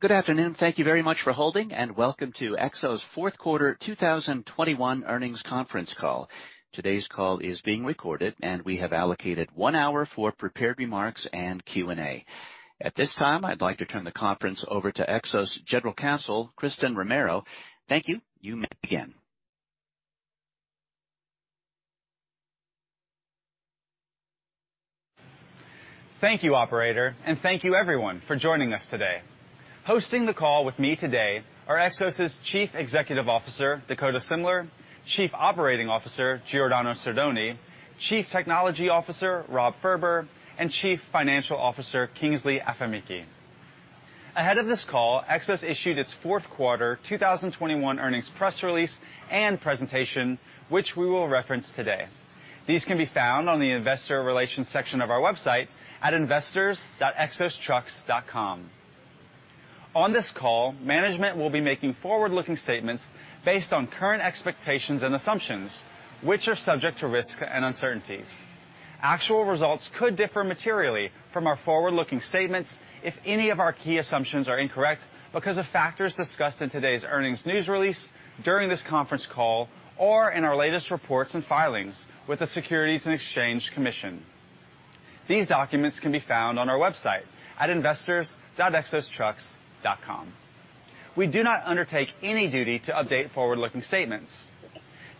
Good afternoon. Thank you very much for holding, and welcome to Xos fourth quarter 2021 earnings conference call. Today's call is being recorded, and we have allocated one hour for prepared remarks and Q&A. At this time, I'd like to turn the conference over to Xos General Counsel, Christen Romero. Thank you. You may begin. Thank you, operator, and thank you everyone for joining us today. Hosting the call with me today are Xos's Chief Executive Officer, Dakota Semler, Chief Operating Officer, Giordano Sordoni, Chief Technology Officer, Rob Ferber, and Chief Financial Officer, Kingsley Afemikhe. Ahead of this call, Xos issued its fourth quarter 2021 earnings press release and presentation, which we will reference today. These can be found on the investor relations section of our website at investors.xostrucks.com. On this call, management will be making forward-looking statements based on current expectations and assumptions, which are subject to risk and uncertainties. Actual results could differ materially from our forward-looking statements if any of our key assumptions are incorrect because of factors discussed in today's earnings news release during this conference call or in our latest reports and filings with the Securities and Exchange Commission. These documents can be found on our website at investors.xostrucks.com. We do not undertake any duty to update forward-looking statements.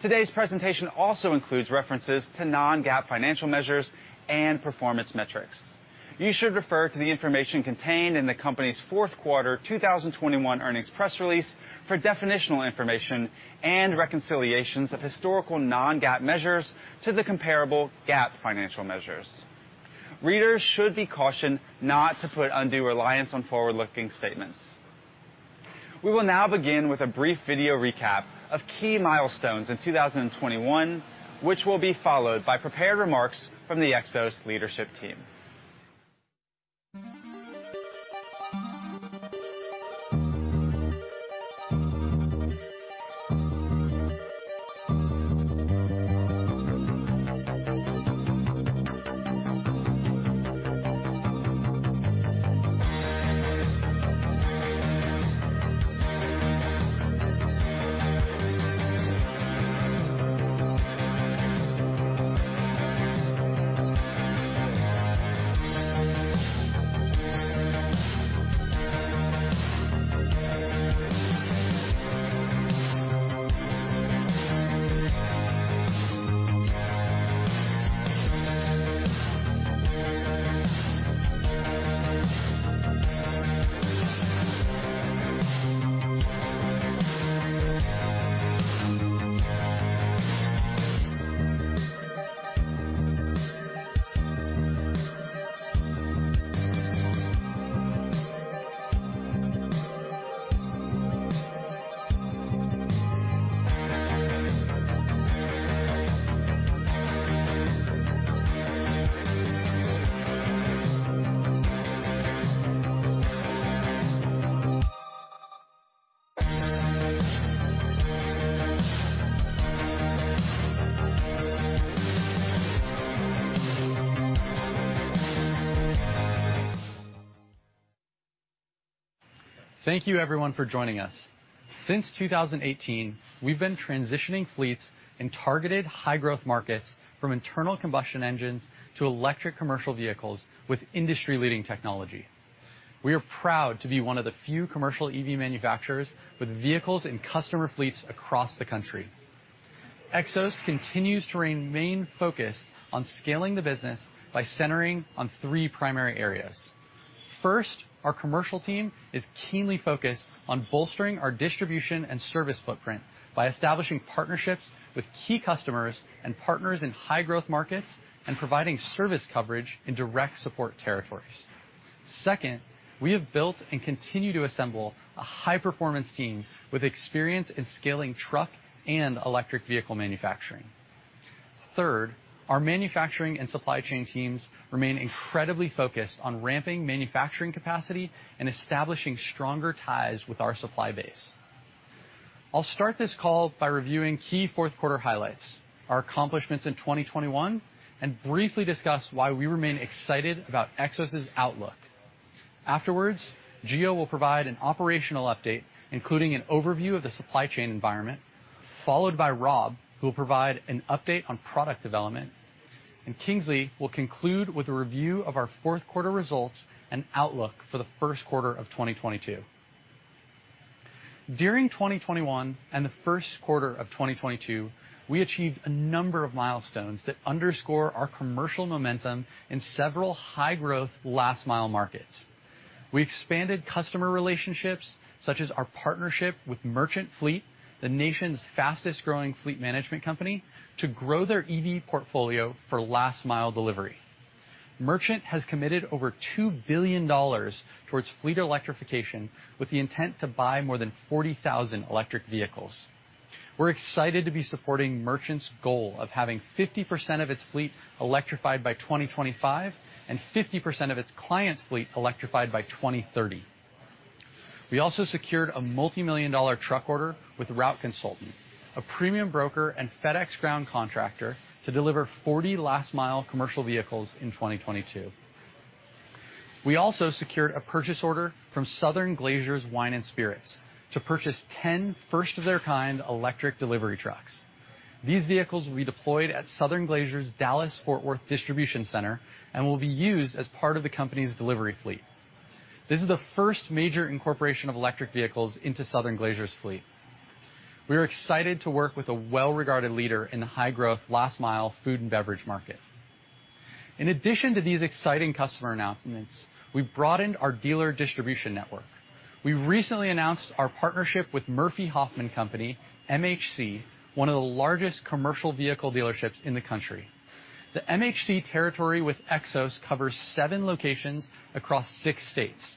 Today's presentation also includes references to non-GAAP financial measures and performance metrics. You should refer to the information contained in the company's fourth quarter 2021 earnings press release for definitional information and reconciliations of historical non-GAAP measures to the comparable GAAP financial measures. Readers should be cautioned not to put undue reliance on forward-looking statements. We will now begin with a brief video recap of key milestones in 2021, which will be followed by prepared remarks from the Xos leadership team. Thank you everyone for joining us. Since 2018, we've been transitioning fleets in targeted high-growth markets from internal combustion engines to electric commercial vehicles with industry-leading technology. We are proud to be one of the few commercial EV manufacturers with vehicles and customer fleets across the country. Xos continues to remain focused on scaling the business by centering on three primary areas. First, our commercial team is keenly focused on bolstering our distribution and service footprint by establishing partnerships with key customers and partners in high growth markets and providing service coverage in direct support territories. Second, we have built and continue to assemble a high-performance team with experience in scaling truck and electric vehicle manufacturing. Third, our manufacturing and supply chain teams remain incredibly focused on ramping manufacturing capacity and establishing stronger ties with our supply base. I'll start this call by reviewing key fourth quarter highlights, our accomplishments in 2021, and briefly discuss why we remain excited about Xos's outlook. Afterwards, Gio will provide an operational update, including an overview of the supply chain environment, followed by Rob, who will provide an update on product development. Kingsley will conclude with a review of our fourth quarter results and outlook for the first quarter of 2022. During 2021 and the first quarter of 2022, we achieved a number of milestones that underscore our commercial momentum in several high-growth last-mile markets. We expanded customer relationships, such as our partnership with Merchants Fleet, the nation's fastest-growing fleet management company, to grow their EV portfolio for last-mile delivery. Merchants Fleet has committed over $2 billion towards fleet electrification with the intent to buy more than 40,000 electric vehicles. We're excited to be supporting Merchants Fleet's goal of having 50% of its fleet electrified by 2025 and 50% of its client's fleet electrified by 2030. We also secured a $multi-million-dollar truck order with Route Consultant, a premium broker and FedEx Ground contractor, to deliver 40 last-mile commercial vehicles in 2022. We also secured a purchase order from Southern Glazer's Wine & Spirits to purchase 10 first-of-their-kind electric delivery trucks. These vehicles will be deployed at Southern Glazer's Dallas-Fort Worth distribution center, and will be used as part of the company's delivery fleet. This is the first major incorporation of electric vehicles into Southern Glazer's fleet. We are excited to work with a well-regarded leader in the high-growth last-mile food and beverage market. In addition to these exciting customer announcements, we broadened our dealer distribution network. We recently announced our partnership with Murphy-Hoffman Company, MHC, one of the largest commercial vehicle dealerships in the country. The MHC territory with Xos covers seven locations across six states.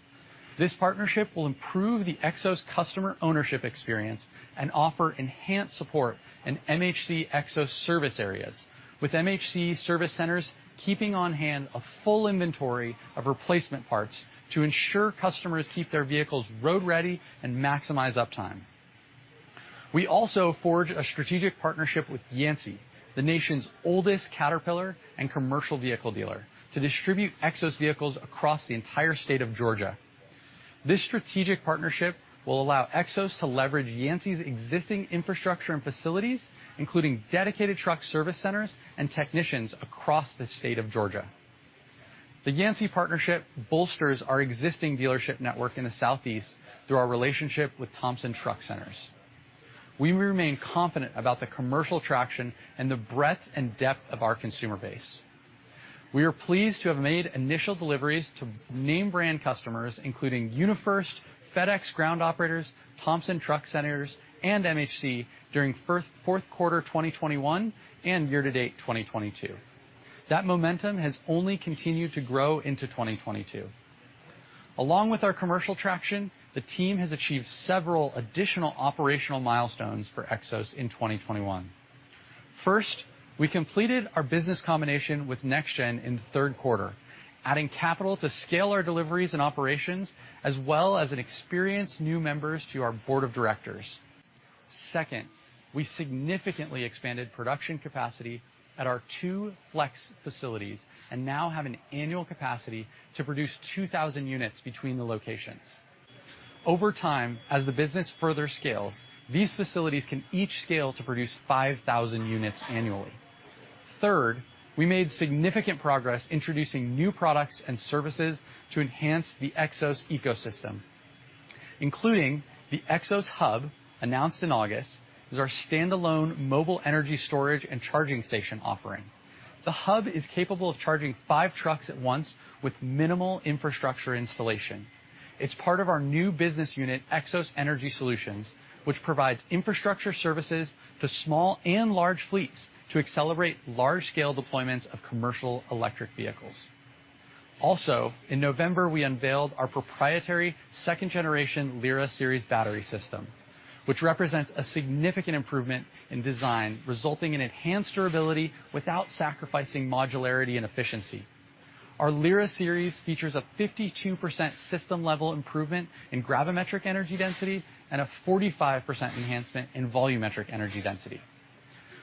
This partnership will improve the Xos customer ownership experience and offer enhanced support in MHC Xos service areas, with MHC service centers keeping on hand a full inventory of replacement parts to ensure customers keep their vehicles road-ready and maximize uptime. We also forged a strategic partnership with Yancey, the nation's oldest Caterpillar and commercial vehicle dealer, to distribute Xos vehicles across the entire state of Georgia. This strategic partnership will allow Xos to leverage Yancey's existing infrastructure and facilities, including dedicated truck service centers and technicians across the state of Georgia. The Yancey partnership bolsters our existing dealership network in the Southeast through our relationship with Thompson Truck Centers. We remain confident about the commercial traction and the breadth and depth of our consumer base. We are pleased to have made initial deliveries to name brand customers, including UniFirst, FedEx Ground operators, Thompson Truck Centers, and MHC during fourth quarter, 2021 and year to date, 2022. That momentum has only continued to grow into 2022. Along with our commercial traction, the team has achieved several additional operational milestones for Xos in 2021. First, we completed our business combination with NextGen in the third quarter, adding capital to scale our deliveries and operations, as well as experienced new members to our board of directors. Second, we significantly expanded production capacity at our two flex facilities, and now have an annual capacity to produce 2,000 units between the locations. Over time, as the business further scales, these facilities can each scale to produce 5,000 units annually. Third, we made significant progress introducing new products and services to enhance the Xos ecosystem, including the Xos Hub, announced in August, as our standalone mobile energy storage and charging station offering. The Hub is capable of charging five trucks at once with minimal infrastructure installation. It's part of our new business unit, Xos Energy Solutions, which provides infrastructure services to small and large fleets to accelerate large-scale deployments of commercial electric vehicles. Also, in November, we unveiled our proprietary second generation Lyra Series battery system, which represents a significant improvement in design, resulting in enhanced durability without sacrificing modularity and efficiency. Our Lyra Series features a 52% system-level improvement in gravimetric energy density and a 45% enhancement in volumetric energy density.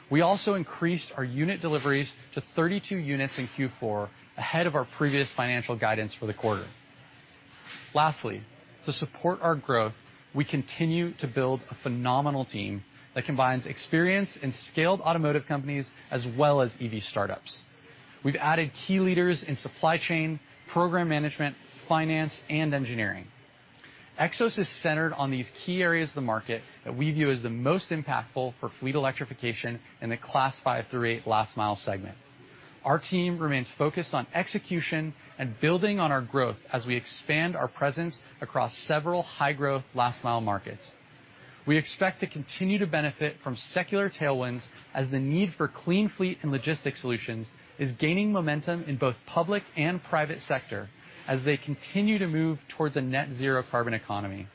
We also increased our unit deliveries to 32 units in Q4, ahead of our previous financial guidance for the quarter. Lastly, to support our growth, we continue to build a phenomenal team that combines experience in scaled automotive companies as well as EV startups. We've added key leaders in supply chain, program management, finance, and engineering. Xos is centered on these key areas of the market that we view as the most impactful for fleet electrification in the class 5 through 8 last-mile segment. Our team remains focused on execution and building on our growth as we expand our presence across several high-growth last-mile markets. We expect to continue to benefit from secular tailwinds, as the need for clean fleet and logistics solutions is gaining momentum in both public and private sector as they continue to move towards a net zero carbon economy.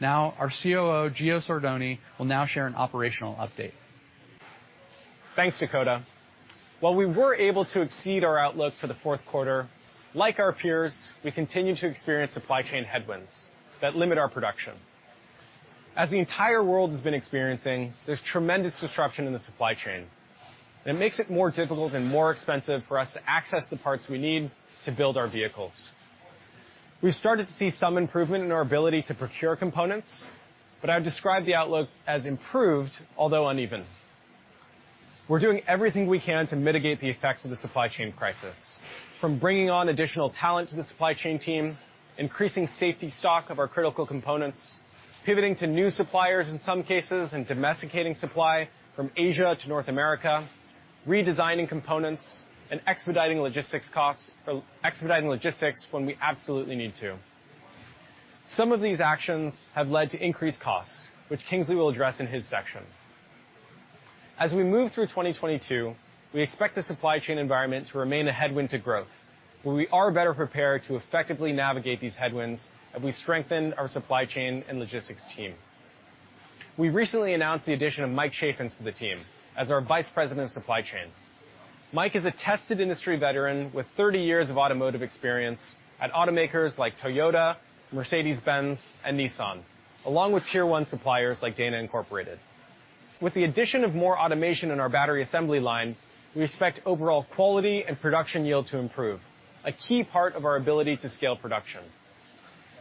Now, our COO, Gio Sordoni, will now share an operational update. Thanks, Dakota. While we were able to exceed our outlook for the fourth quarter, like our peers, we continue to experience supply chain headwinds that limit our production. As the entire world has been experiencing, there's tremendous disruption in the supply chain, and it makes it more difficult and more expensive for us to access the parts we need to build our vehicles. We've started to see some improvement in our ability to procure components, but I would describe the outlook as improved, although uneven. We're doing everything we can to mitigate the effects of the supply chain crisis, from bringing on additional talent to the supply chain team, increasing safety stock of our critical components, pivoting to new suppliers in some cases, and domesticating supply from Asia to North America, redesigning components, and expediting logistics costs, or expediting logistics when we absolutely need to. Some of these actions have led to increased costs, which Kingsley will address in his section. As we move through 2022, we expect the supply chain environment to remain a headwind to growth, but we are better prepared to effectively navigate these headwinds as we strengthen our supply chain and logistics team. We recently announced the addition of Mike Chaffins to the team as our Vice President of Supply Chain. Mike is a tested industry veteran with 30 years of automotive experience at automakers like Toyota, Mercedes-Benz, and Nissan, along with Tier One suppliers like Dana Incorporated. With the addition of more automation in our battery assembly line, we expect overall quality and production yield to improve, a key part of our ability to scale production.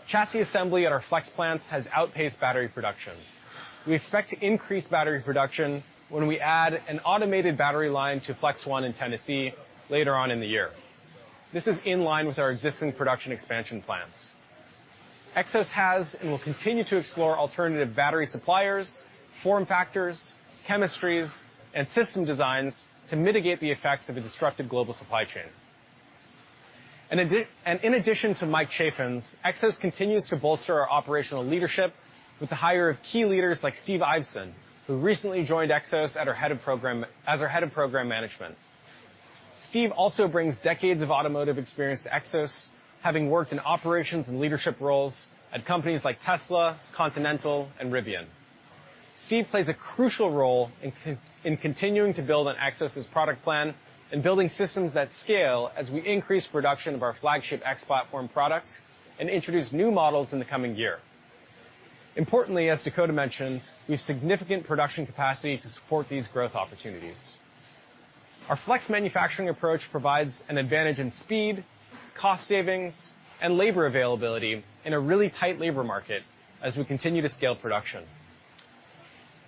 Chassis assembly at our flex plants has outpaced battery production. We expect to increase battery production when we add an automated battery line to Flex One in Tennessee later on in the year. This is in line with our existing production expansion plans. Xos has and will continue to explore alternative battery suppliers, form factors, chemistries, and system designs to mitigate the effects of a disruptive global supply chain. In addition to Mike Chaffins, Xos continues to bolster our operational leadership with the hire of key leaders like Steve Ivsan, who recently joined Xos as our Head of Program Management. Steve also brings decades of automotive experience to Xos, having worked in operations and leadership roles at companies like Tesla, Continental, and Rivian. Steve plays a crucial role in continuing to build on Xos's product plan and building systems that scale as we increase production of our flagship X-Platform product and introduce new models in the coming year. Importantly, as Dakota mentioned, we have significant production capacity to support these growth opportunities. Our flex manufacturing approach provides an advantage in speed, cost savings, and labor availability in a really tight labor market as we continue to scale production.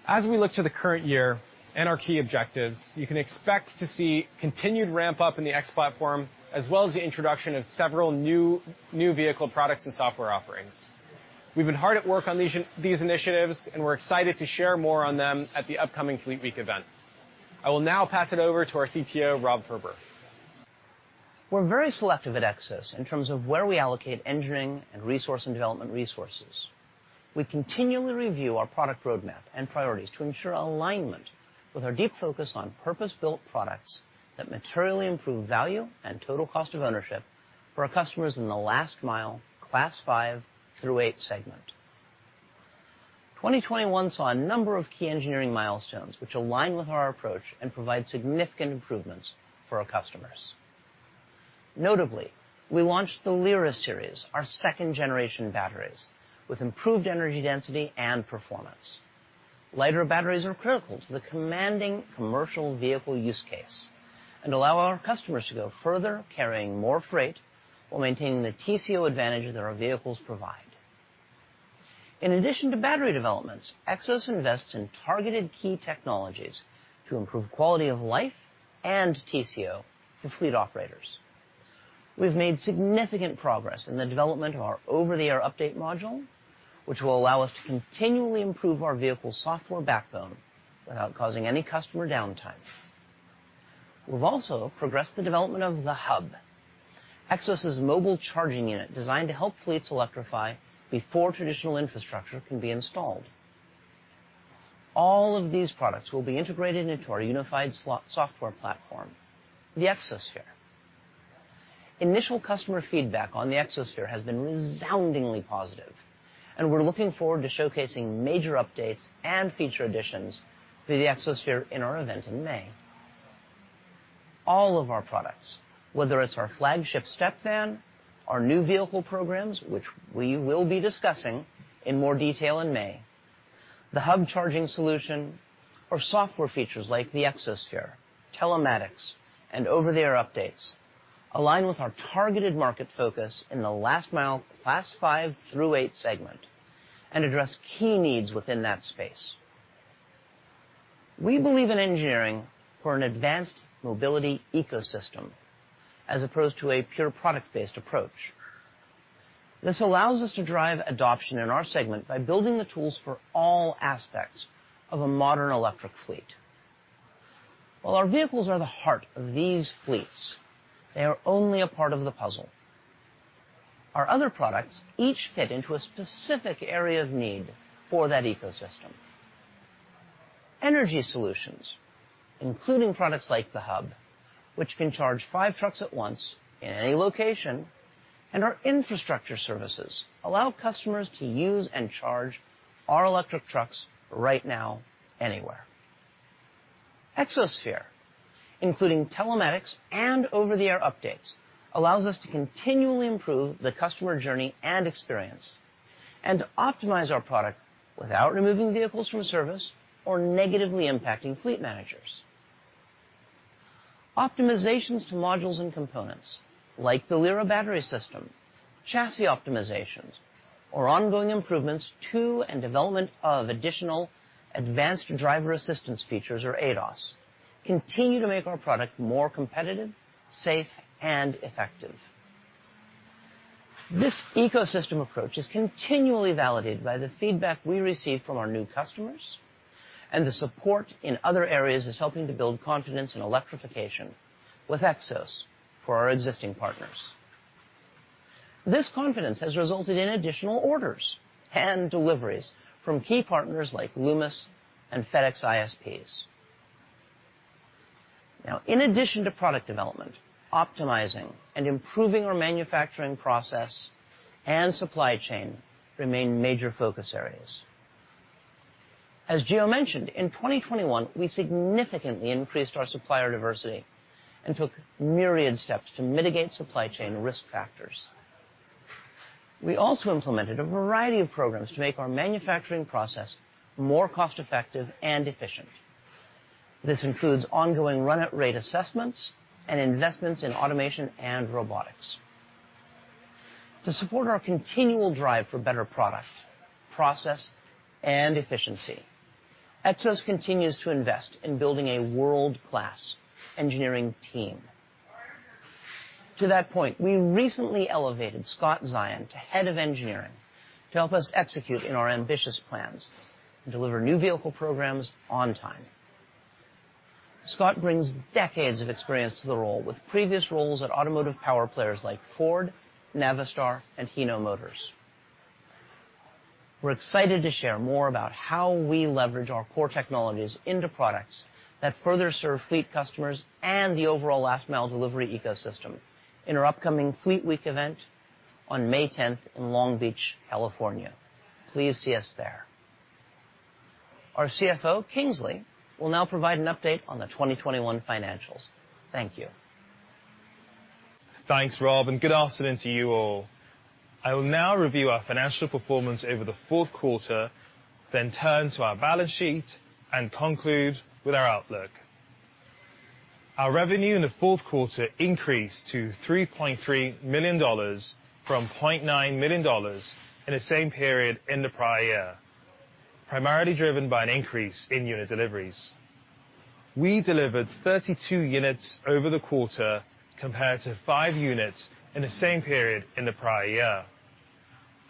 As we look to the current year and our key objectives, you can expect to see continued ramp up in the X-Platform, as well as the introduction of several new vehicle products and software offerings. We've been hard at work on these initiatives, and we're excited to share more on them at the upcoming Fleet Week event. I will now pass it over to our CTO, Rob Ferber. We're very selective at Xos in terms of where we allocate engineering and development resources. We continually review our product roadmap and priorities to ensure alignment with our deep focus on purpose-built products that materially improve value and total cost of ownership for our customers in the last-mile Class 5 through 8 segment. 2021 saw a number of key engineering milestones which align with our approach and provide significant improvements for our customers. Notably, we launched the Lyra Series, our second-generation batteries, with improved energy density and performance. Lighter batteries are critical to the demanding commercial vehicle use case and allow our customers to go further, carrying more freight while maintaining the TCO advantage that our vehicles provide. In addition to battery developments, Xos invests in targeted key technologies to improve quality of life and TCO for fleet operators. We've made significant progress in the development of our over-the-air update module, which will allow us to continually improve our vehicle software backbone without causing any customer downtime. We've also progressed the development of the Xos Hub, Xos's mobile charging unit designed to help fleets electrify before traditional infrastructure can be installed. All of these products will be integrated into our unified software platform, the Xosphere. Initial customer feedback on the Xosphere has been resoundingly positive, and we're looking forward to showcasing major updates and feature additions to the Xosphere in our event in May. All of our products, whether it's our flagship step van, our new vehicle programs, which we will be discussing in more detail in May, the Xos Hub charging solution, or software features like the Xosphere, telematics, and over-the-air updates, align with our targeted market focus in the last mile, Class 5 through 8 segment and address key needs within that space. We believe in engineering for an advanced mobility ecosystem as opposed to a pure product-based approach. This allows us to drive adoption in our segment by building the tools for all aspects of a modern electric fleet. While our vehicles are the heart of these fleets, they are only a part of the puzzle. Our other products each fit into a specific area of need for that ecosystem. Energy solutions, including products like the Xos Hub, which can charge five trucks at once in any location, and our infrastructure services, allow customers to use and charge our electric trucks right now, anywhere. Xosphere, including telematics and over-the-air updates, allows us to continually improve the customer journey and experience and optimize our product without removing vehicles from service or negatively impacting fleet managers. Optimizations to modules and components like the Lyra battery system, chassis optimizations, or ongoing improvements to and development of additional advanced driver assistance features or ADAS, continue to make our product more competitive, safe, and effective. This ecosystem approach is continually validated by the feedback we receive from our new customers, and the support in other areas is helping to build confidence in electrification with Xos for our existing partners. This confidence has resulted in additional orders and deliveries from key partners like Loomis and FedEx ISPs. Now, in addition to product development, optimizing and improving our manufacturing process and supply chain remain major focus areas. As Gio mentioned, in 2021, we significantly increased our supplier diversity and took myriad steps to mitigate supply chain risk factors. We also implemented a variety of programs to make our manufacturing process more cost-effective and efficient. This includes ongoing run-rate assessments and investments in automation and robotics. To support our continual drive for better product, process, and efficiency, Xos continues to invest in building a world-class engineering team. To that point, we recently elevated Scott Zion to Head of Engineering to help us execute in our ambitious plans and deliver new vehicle programs on time. Scott brings decades of experience to the role with previous roles at automotive power players like Ford, Navistar, and Hino Motors. We're excited to share more about how we leverage our core technologies into products that further serve fleet customers and the overall last mile delivery ecosystem in our upcoming Fleet Week event on May tenth in Long Beach, California. Please see us there. Our CFO, Kingsley, will now provide an update on the 2021 financials. Thank you. Thanks, Rob, and good afternoon to you all. I will now review our financial performance over the fourth quarter, then turn to our balance sheet and conclude with our outlook. Our revenue in the fourth quarter increased to $3.3 million from $0.9 million in the same period in the prior year, primarily driven by an increase in unit deliveries. We delivered 32 units over the quarter compared to five units in the same period in the prior year.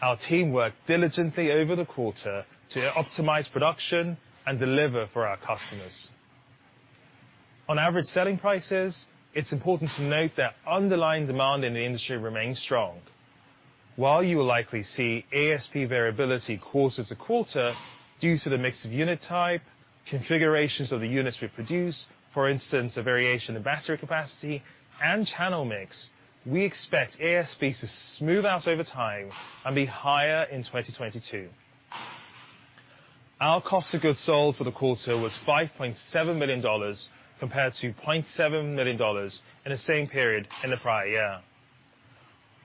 Our team worked diligently over the quarter to optimize production and deliver for our customers. On average selling prices, it's important to note that underlying demand in the industry remains strong. While you will likely see ASP variability quarter to quarter due to the mix of unit type, configurations of the units we produce, for instance, a variation in battery capacity and channel mix, we expect ASP to smooth out over time and be higher in 2022. Our cost of goods sold for the quarter was $5.7 million compared to $0.7 million in the same period in the prior year.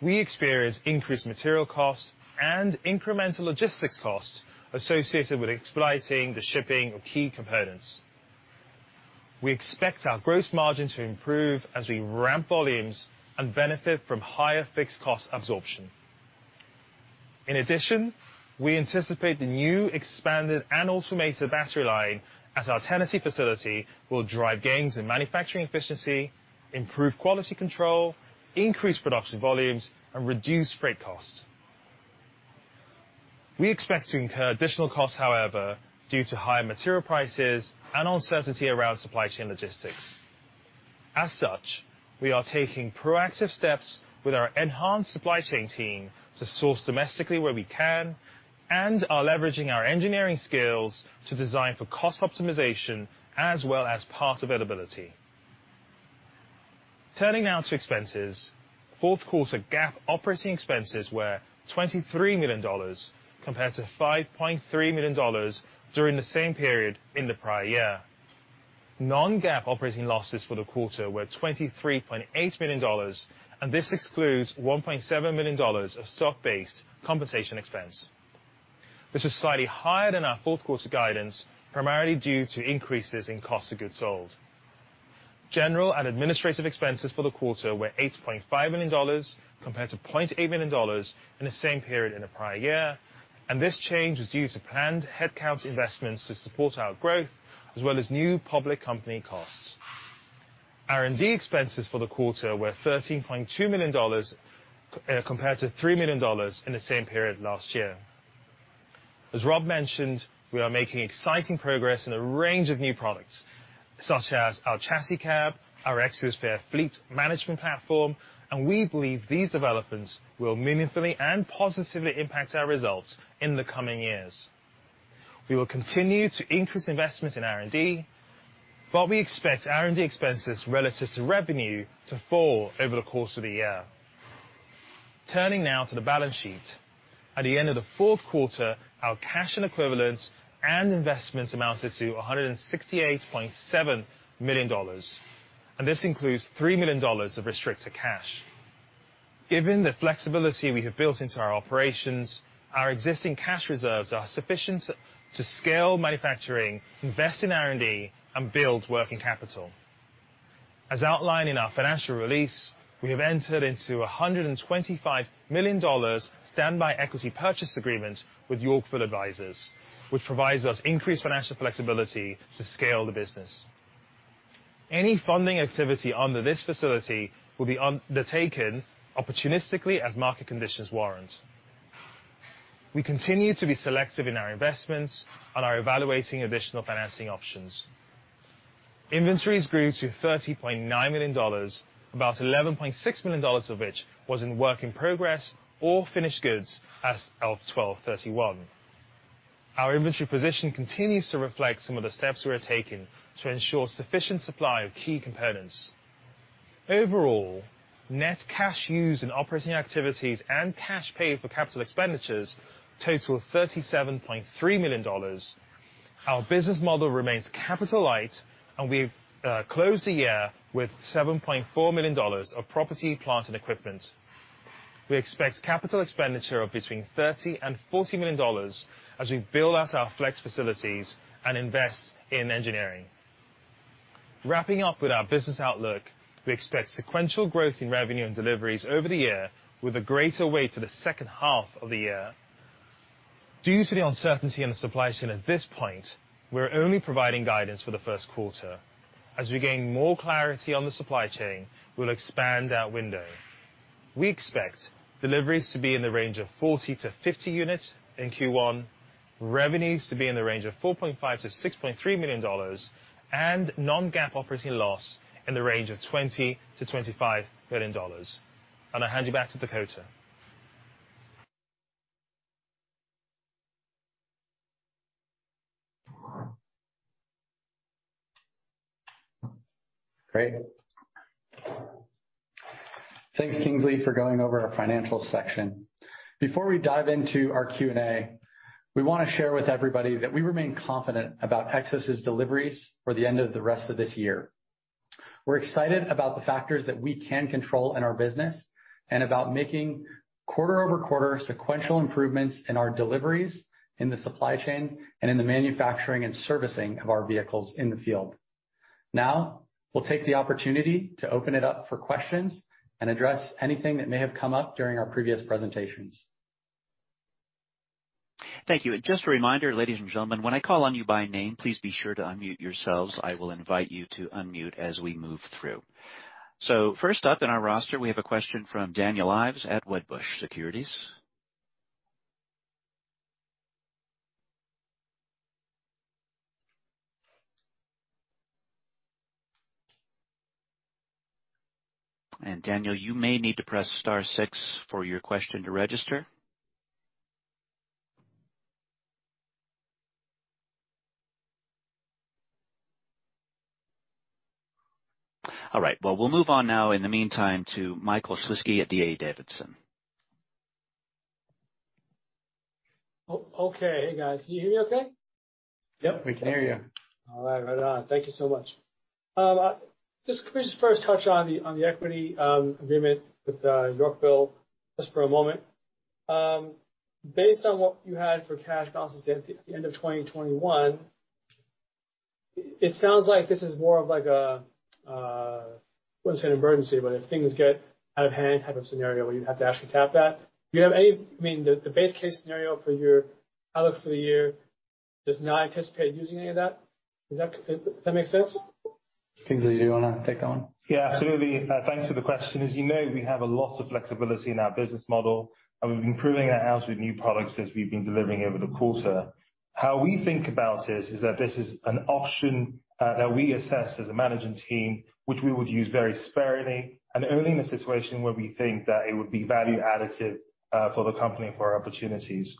We experienced increased material costs and incremental logistics costs associated with expediting the shipping of key components. We expect our gross margin to improve as we ramp volumes and benefit from higher fixed cost absorption. In addition, we anticipate the new expanded and automated battery line at our Tennessee facility will drive gains in manufacturing efficiency, improve quality control, increase production volumes, and reduce freight costs. We expect to incur additional costs, however, due to higher material prices and uncertainty around supply chain logistics. As such, we are taking proactive steps with our enhanced supply chain team to source domestically where we can and are leveraging our engineering skills to design for cost optimization as well as part availability. Turning now to expenses. Fourth quarter GAAP operating expenses were $23 million compared to $5.3 million during the same period in the prior year. Non-GAAP operating losses for the quarter were $23.8 million, and this excludes $1.7 million of stock-based compensation expense. This was slightly higher than our fourth quarter guidance, primarily due to increases in cost of goods sold. General and administrative expenses for the quarter were $8.5 million compared to $0.8 million in the same period in the prior year, and this change was due to planned headcount investments to support our growth as well as new public company costs. R&D expenses for the quarter were $13.2 million compared to $3 million in the same period last year. As Rob mentioned, we are making exciting progress in a range of new products, such as our Chassis Cab, our Xosphere fleet management platform, and we believe these developments will meaningfully and positively impact our results in the coming years. We will continue to increase investment in R&D, but we expect R&D expenses relative to revenue to fall over the course of the year. Turning now to the balance sheet. At the end of the fourth quarter, our cash and equivalents and investments amounted to $168.7 million, and this includes $3 million of restricted cash. Given the flexibility we have built into our operations, our existing cash reserves are sufficient to scale manufacturing, invest in R&D, and build working capital. As outlined in our financial release, we have entered into $125 million standby equity purchase agreement with Yorkville Advisors, which provides us increased financial flexibility to scale the business. Any funding activity under this facility will be undertaken opportunistically as market conditions warrant. We continue to be selective in our investments and are evaluating additional financing options. Inventories grew to $30.9 million, about $11.6 million of which was in work in progress or finished goods as of 12/31. Our inventory position continues to reflect some of the steps we are taking to ensure sufficient supply of key components. Overall, net cash used in operating activities and cash paid for capital expenditures total $37.3 million. Our business model remains capital light, and we've closed the year with $7.4 million of property, plant, and equipment. We expect capital expenditure of between $30 million-$40 million as we build out our flex facilities and invest in engineering. Wrapping up with our business outlook, we expect sequential growth in revenue and deliveries over the year with a greater weight to the second half of the year. Due to the uncertainty in the supply chain at this point, we're only providing guidance for the first quarter. As we gain more clarity on the supply chain, we'll expand that window. We expect deliveries to be in the range of 40-50 units in Q1, revenues to be in the range of $4.5 million-$6.3 million, and non-GAAP operating loss in the range of $20 million-$25 million. I'll hand you back to Dakota. Great. Thanks, Kingsley, for going over our financial section. Before we dive into our Q&A, we wanna share with everybody that we remain confident about Xos's deliveries for the end of the rest of this year. We're excited about the factors that we can control in our business and about making quarter-over-quarter sequential improvements in our deliveries, in the supply chain, and in the manufacturing and servicing of our vehicles in the field. Now, we'll take the opportunity to open it up for questions and address anything that may have come up during our previous presentations. Thank you. Just a reminder, ladies and gentlemen, when I call on you by name, please be sure to unmute yourselves. I will invite you to unmute as we move through. First up in our roster, we have a question from Dan Ives at Wedbush Securities. Dan, you may need to press star six for your question to register. All right, well, we'll move on now in the meantime to Michael Shlisky at D.A. Davidson. Okay. Hey, guys. Can you hear me okay? Yep, we can hear you. All right. Right on. Thank you so much. Can we just first touch on the equity agreement with Yorkville just for a moment? Based on what you had for cash balances at the end of 2021, it sounds like this is more of like a, I wouldn't say an emergency, but if things get out of hand type of scenario where you'd have to actually tap that. I mean, the base case scenario for your outlook for the year does not anticipate using any of that. Does that make sense? Kingsley, do you wanna take that one? Yeah, absolutely. Thanks for the question. As you know, we have a lot of flexibility in our business model, and we've been proving that out with new products since we've been delivering over the quarter. How we think about this is that this is an option that we assess as a management team, which we would use very sparingly and only in a situation where we think that it would be value additive for the company and for our opportunities.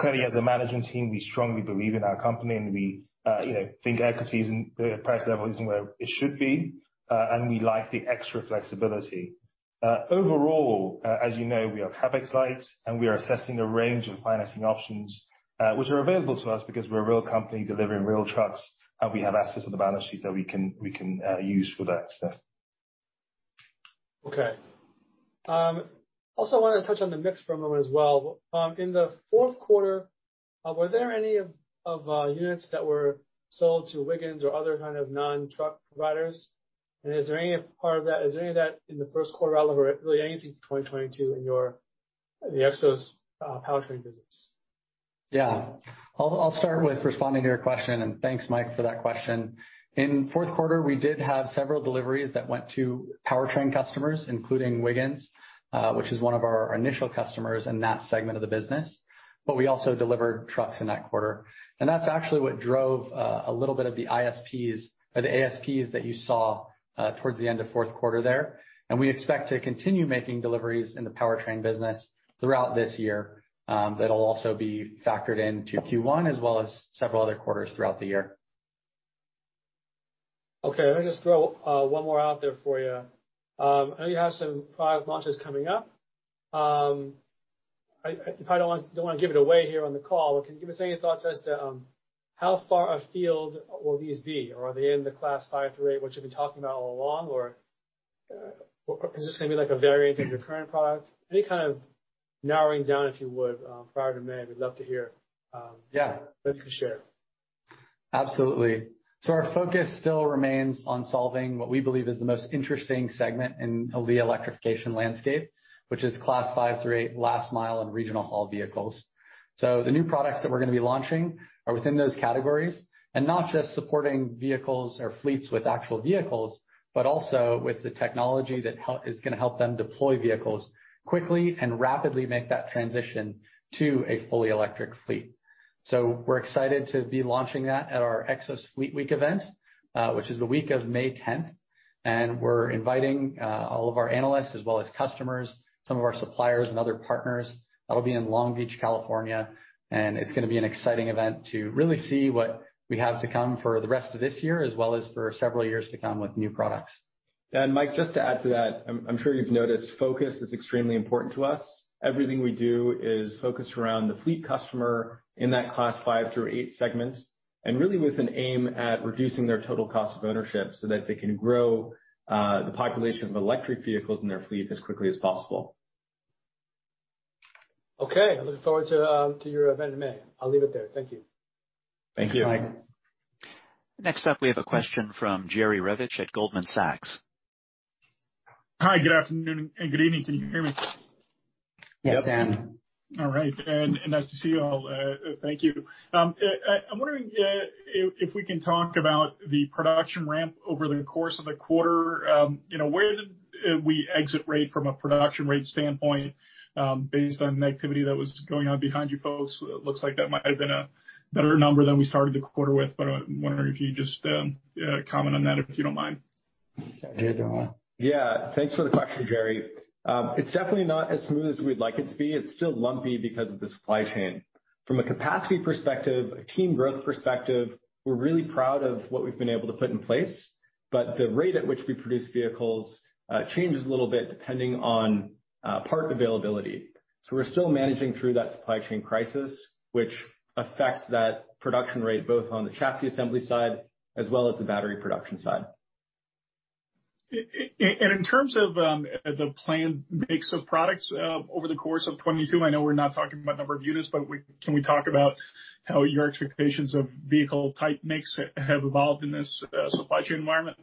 Clearly, as a management team we strongly believe in our company, and we, you know, think equity price level isn't where it should be, and we like the extra flexibility. Overall, as you know, we are CapEx light, and we are assessing a range of financing options, which are available to us because we're a real company delivering real trucks, and we have assets on the balance sheet that we can use for that stuff. Okay. Also wanted to touch on the mix for a moment as well. In the fourth quarter, were there any units that were sold to Wiggins or other kind of non-truck providers? Is there any of that in the first quarter at all or really anything through 2022 in the Xos powertrain business? Yeah. I'll start with responding to your question, and thanks, Mike, for that question. In fourth quarter, we did have several deliveries that went to powertrain customers, including Wiggins, which is one of our initial customers in that segment of the business, but we also delivered trucks in that quarter. That's actually what drove a little bit of the upside in the ASPs that you saw towards the end of fourth quarter there. We expect to continue making deliveries in the powertrain business throughout this year, that'll also be factored into Q1 as well as several other quarters throughout the year. Okay, let me just throw one more out there for you. I know you have some product launches coming up. You probably don't wanna give it away here on the call, but can you give us any thoughts as to how far afield will these be? Or are they in the Class 5 through 8, which you've been talking about all along, or is this gonna be like a variant of your current products? Any kind of narrowing down, if you would, prior to May, we'd love to hear. Yeah. If you could share. Absolutely. Our focus still remains on solving what we believe is the most interesting segment in the electrification landscape, which is Class 5 through 8 last mile and regional haul vehicles. The new products that we're gonna be launching are within those categories, and not just supporting vehicles or fleets with actual vehicles, but also with the technology that is gonna help them deploy vehicles quickly and rapidly make that transition to a fully electric fleet. We're excited to be launching that at our Xos Fleet Week event, which is the week of May 10. We're inviting all of our analysts as well as customers, some of our suppliers and other partners. That'll be in Long Beach, California, and it's gonna be an exciting event to really see what we have to come for the rest of this year as well as for several years to come with new products. Mike, just to add to that, I'm sure you've noticed focus is extremely important to us. Everything we do is focused around the fleet customer in that Class 5 through 8 segments, and really with an aim at reducing their total cost of ownership so that they can grow the population of electric vehicles in their fleet as quickly as possible. Okay. I look forward to your event in May. I'll leave it there. Thank you. Thank you. Thanks, Mike. Next up, we have a question from Jerry Revich at Goldman Sachs. Hi, good afternoon and good evening. Can you hear me? Yes. All right. Nice to see you all. Thank you. I'm wondering if we can talk about the production ramp over the course of the quarter. You know, where did we exit rate from a production rate standpoint, based on the activity that was going on behind you folks. It looks like that might have been a better number than we started the quarter with, but I'm wondering if you just comment on that, if you don't mind. Yeah. Thanks for the question, Jerry. It's definitely not as smooth as we'd like it to be. It's still lumpy because of the supply chain. From a capacity perspective, a team growth perspective, we're really proud of what we've been able to put in place, but the rate at which we produce vehicles changes a little bit depending on part availability. We're still managing through that supply chain crisis, which affects that production rate, both on the chassis assembly side as well as the battery production side. In terms of the planned mix of products over the course of 2022, I know we're not talking about number of units, but can we talk about how your expectations of vehicle type mix have evolved in this supply chain environment?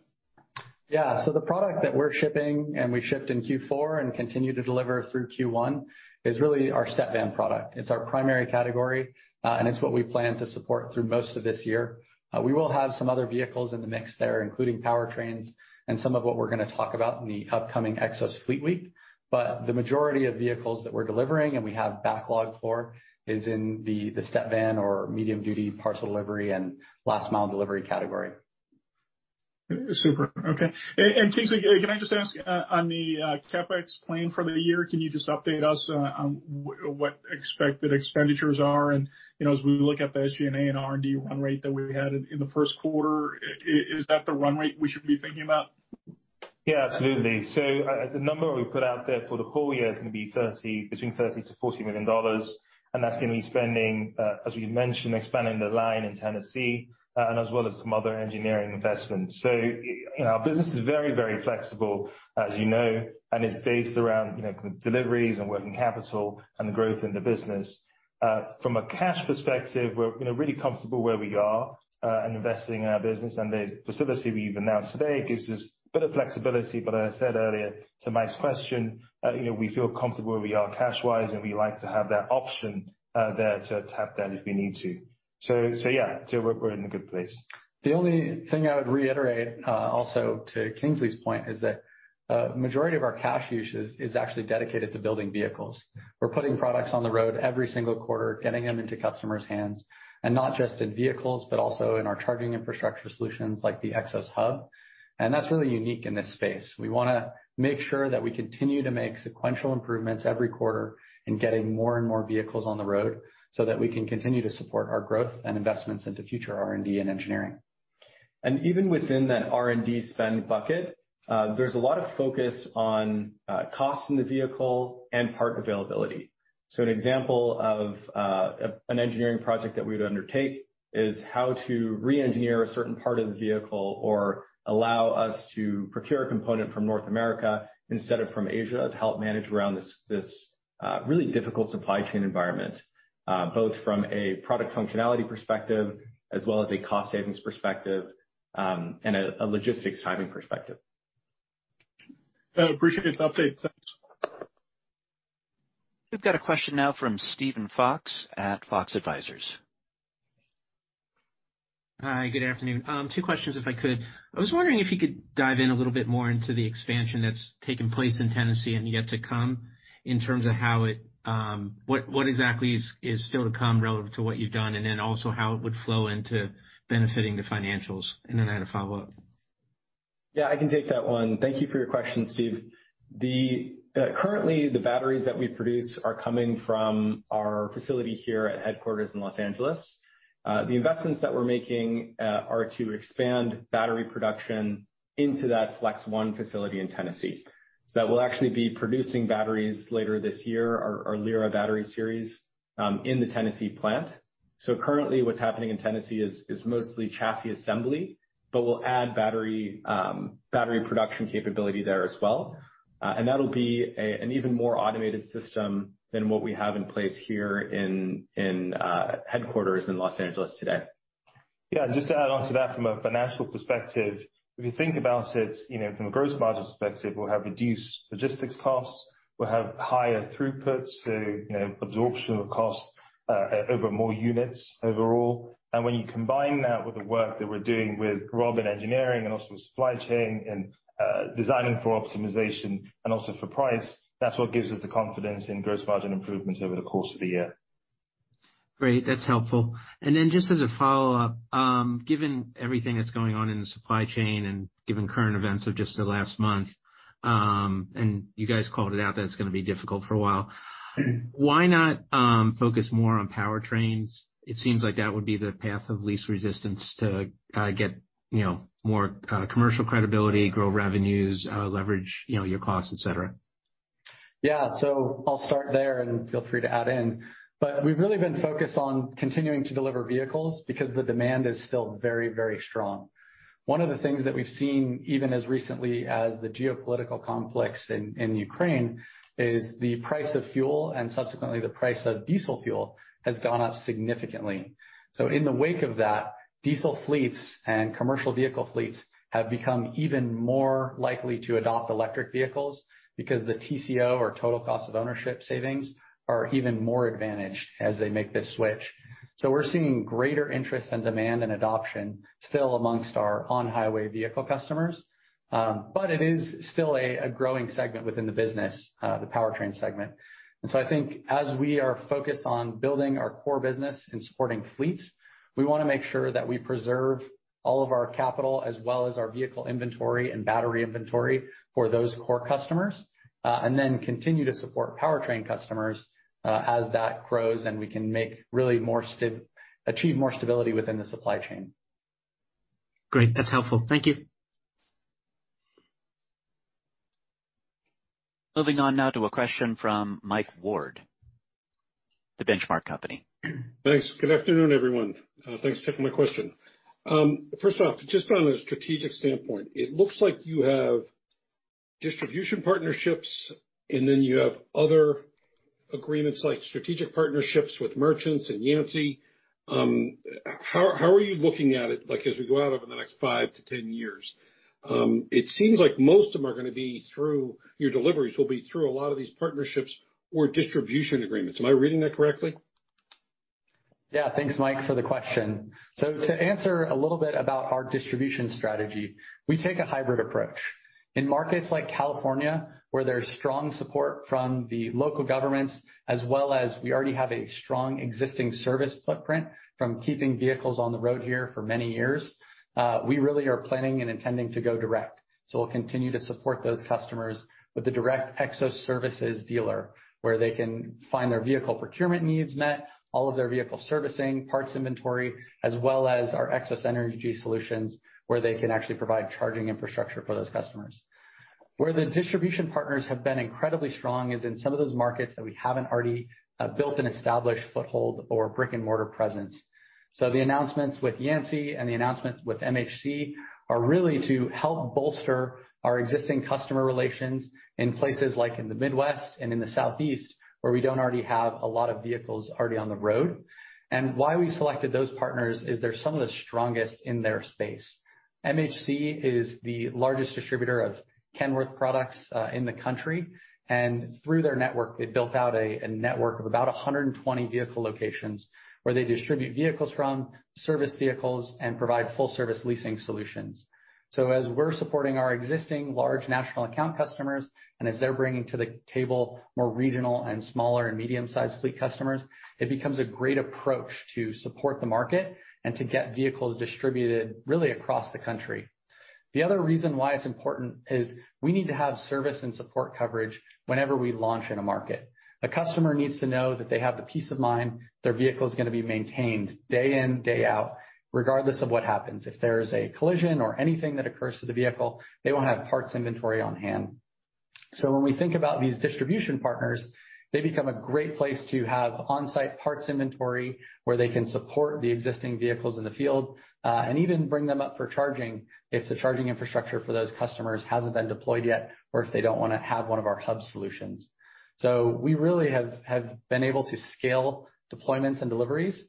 The product that we're shipping, and we shipped in Q4 and continue to deliver through Q1, is really our step van product. It's our primary category, and it's what we plan to support through most of this year. We will have some other vehicles in the mix there, including powertrains and some of what we're gonna talk about in the upcoming Xos Fleet Week. The majority of vehicles that we're delivering and we have backlog for is in the step van or medium duty parcel delivery and last mile delivery category. Super. Okay. Kingsley, can I just ask on the CapEx plan for the year, can you just update us on what expected expenditures are? You know, as we look at the SG&A and R&D run rate that we had in the first quarter, is that the run rate we should be thinking about? Yeah, absolutely. The number we put out there for the whole year is gonna be between $30 million-$40 million, and that's gonna be spending, as we mentioned, expanding the line in Tennessee, and as well as some other engineering investments. You know, our business is very, very flexible, as you know, and it's based around, you know, deliveries and working capital and the growth in the business. From a cash perspective, we're, you know, really comfortable where we are, and investing in our business. The facility we've announced today gives us a bit of flexibility, but I said earlier to Mike's question, you know, we feel comfortable where we are cash-wise, and we like to have that option, there to tap down if we need to. Yeah. We're in a good place. The only thing I would reiterate, also to Kingsley's point is that majority of our cash usage is actually dedicated to building vehicles. We're putting products on the road every single quarter, getting them into customers' hands, and not just in vehicles, but also in our charging infrastructure solutions like the Xos Hub. That's really unique in this space. We wanna make sure that we continue to make sequential improvements every quarter in getting more and more vehicles on the road so that we can continue to support our growth and investments into future R&D and engineering. Even within that R&D spend bucket, there's a lot of focus on cost in the vehicle and part availability. An example of an engineering project that we would undertake is how to re-engineer a certain part of the vehicle or allow us to procure a component from North America instead of from Asia to help manage around this really difficult supply chain environment, both from a product functionality perspective as well as a cost savings perspective, and a logistics timing perspective. I appreciate this update. Thanks. We've got a question now from Steven Fox at Fox Advisors. Hi, good afternoon. Two questions if I could. I was wondering if you could dive in a little bit more into the expansion that's taken place in Tennessee and yet to come in terms of how it, what exactly is still to come relative to what you've done, and then also how it would flow into benefiting the financials. I had a follow-up. Yeah, I can take that one. Thank you for your question, Steve. Currently, the batteries that we produce are coming from our facility here at headquarters in Los Angeles. The investments that we're making are to expand battery production into that Flex One facility in Tennessee. That will actually be producing batteries later this year, our Lyra Series, in the Tennessee plant. Currently what's happening in Tennessee is mostly chassis assembly, but we'll add battery production capability there as well. And that'll be an even more automated system than what we have in place here in headquarters in Los Angeles today. Yeah. Just to add on to that from a financial perspective, if you think about it, you know, from a gross margin perspective, we'll have reduced logistics costs. We'll have higher throughput, so, you know, absorption of cost over more units overall. When you combine that with the work that we're doing with Rob and engineering and also supply chain and designing for optimization and also for price, that's what gives us the confidence in gross margin improvement over the course of the year. Great. That's helpful. Then just as a follow-up, given everything that's going on in the supply chain and given current events of just the last month. You guys called it out that it's gonna be difficult for a while. Why not focus more on powertrains? It seems like that would be the path of least resistance to get, you know, more commercial credibility, grow revenues, leverage, you know, your costs, et cetera. Yeah. I'll start there and feel free to add in. We've really been focused on continuing to deliver vehicles because the demand is still very, very strong. One of the things that we've seen, even as recently as the geopolitical conflicts in Ukraine, is the price of fuel and subsequently the price of diesel fuel has gone up significantly. In the wake of that, diesel fleets and commercial vehicle fleets have become even more likely to adopt electric vehicles because the TCO or total cost of ownership savings are even more advantaged as they make this switch. We're seeing greater interest and demand and adoption still amongst our on-highway vehicle customers. It is still a growing segment within the business, the powertrain segment. I think as we are focused on building our core business and supporting fleets, we wanna make sure that we preserve all of our capital as well as our vehicle inventory and battery inventory for those core customers, and then continue to support powertrain customers, as that grows and we can achieve more stability within the supply chain. Great. That's helpful. Thank you. Moving on now to a question from Mike Ward, The Benchmark Company. Thanks. Good afternoon, everyone. Thanks for taking my question. First off, just from a strategic standpoint, it looks like you have distribution partnerships, and then you have other agreements like strategic partnerships with Merchants and Yancey. How are you looking at it like as we go out over the next five to 10 years? It seems like most of them are gonna be through your deliveries will be through a lot of these partnerships or distribution agreements. Am I reading that correctly? Yeah. Thanks, Mike, for the question. To answer a little bit about our distribution strategy, we take a hybrid approach. In markets like California, where there's strong support from the local governments as well as we already have a strong existing service footprint from keeping vehicles on the road here for many years, we really are planning and intending to go direct. We'll continue to support those customers with a direct Xos services dealer, where they can find their vehicle procurement needs met, all of their vehicle servicing, parts inventory, as well as our Xos Energy Solutions, where they can actually provide charging infrastructure for those customers. Where the distribution partners have been incredibly strong is in some of those markets that we haven't already built an established foothold or brick-and-mortar presence. The announcements with Yancey and the announcements with MHC are really to help bolster our existing customer relations in places like in the Midwest and in the Southeast, where we don't already have a lot of vehicles already on the road. Why we selected those partners is they're some of the strongest in their space. MHC is the largest distributor of Kenworth products in the country, and through their network, they've built out a network of about 120 vehicle locations where they distribute vehicles from, service vehicles, and provide full service leasing solutions. As we're supporting our existing large national account customers, and as they're bringing to the table more regional and smaller and medium-sized fleet customers, it becomes a great approach to support the market and to get vehicles distributed really across the country. The other reason why it's important is we need to have service and support coverage whenever we launch in a market. A customer needs to know that they have the peace of mind their vehicle is gonna be maintained day in, day out, regardless of what happens. If there is a collision or anything that occurs to the vehicle, they won't have parts inventory on-hand. So when we think about these distribution partners, they become a great place to have on-site parts inventory, where they can support the existing vehicles in the field, and even bring them up for charging if the charging infrastructure for those customers hasn't been deployed yet or if they don't wanna have one of our hub solutions. So we really have been able to scale deployments and deliveries.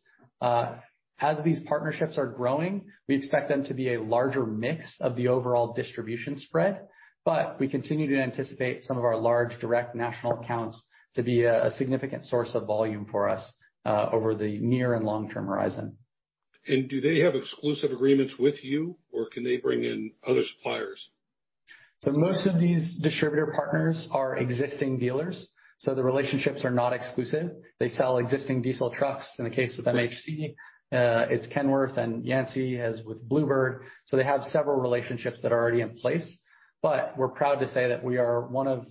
As these partnerships are growing, we expect them to be a larger mix of the overall distribution spread, but we continue to anticipate some of our large direct national accounts to be a significant source of volume for us, over the near and long-term horizon. Do they have exclusive agreements with you, or can they bring in other suppliers? Most of these distributor partners are existing dealers, so the relationships are not exclusive. They sell existing diesel trucks. In the case of MHC, it's Kenworth, and Yancey has with Blue Bird, so they have several relationships that are already in place. We're proud to say that we are one of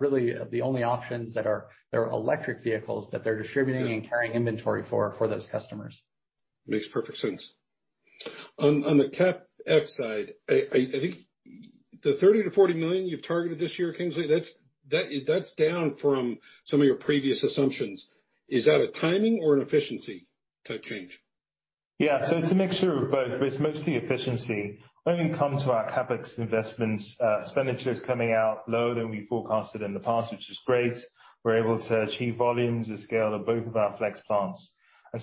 really the only options that are their electric vehicles that they're distributing and carrying inventory for those customers. Makes perfect sense. On the CapEx side, I think the $30 million-$40 million you've targeted this year, Kingsley, that's down from some of your previous assumptions. Is that a timing or an efficiency type change? Yeah. It's a mixture of both, but it's mostly efficiency. When it comes to our CapEx investments, expenditures coming out lower than we forecasted in the past, which is great. We're able to achieve volumes at scale at both of our flex plants.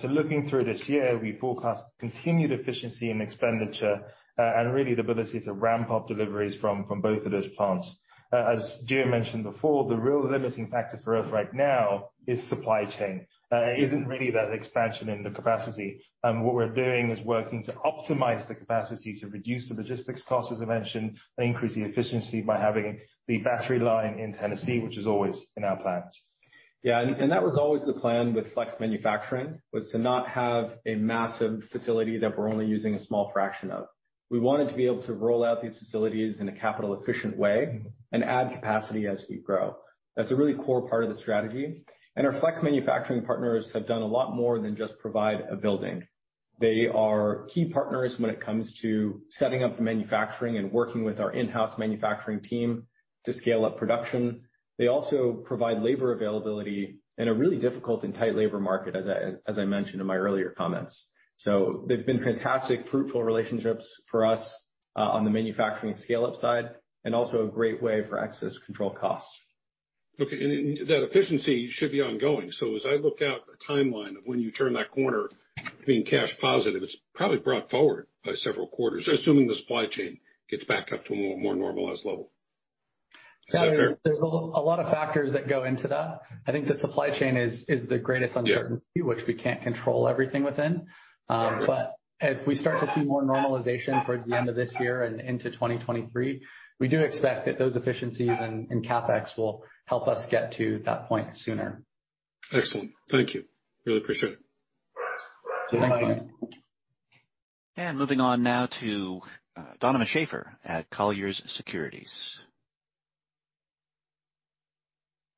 Looking through this year, we forecast continued efficiency and expenditure, and really the ability to ramp up deliveries from both of those plants. As Gio mentioned before, the real limiting factor for us right now is supply chain. It isn't really that expansion in the capacity. What we're doing is working to optimize the capacity to reduce the logistics costs, as I mentioned, and increase the efficiency by having the battery line in Tennessee, which is always in our plans. Yeah. That was always the plan with flex manufacturing, was to not have a massive facility that we're only using a small fraction of. We wanted to be able to roll out these facilities in a capital efficient way and add capacity as we grow. That's a really core part of the strategy, and our flex manufacturing partners have done a lot more than just provide a building. They are key partners when it comes to setting up manufacturing and working with our in-house manufacturing team to scale up production. They also provide labor availability in a really difficult and tight labor market, as I mentioned in my earlier comments. They've been fantastic, fruitful relationships for us, on the manufacturing scale-up side and also a great way for Xos to control costs. Okay, that efficiency should be ongoing. As I look out a timeline of when you turn that corner being cash positive, it's probably brought forward by several quarters, assuming the supply chain gets back up to a more normalized level. Is that fair? There's a lot of factors that go into that. I think the supply chain is the greatest uncertainty which we can't control everything within. As we start to see more normalization towards the end of this year and into 2023, we do expect that those efficiencies and CapEx will help us get to that point sooner. Excellent. Thank you. Really appreciate it. Thanks. Thanks. Moving on now to Donovan Schafer at Colliers Securities.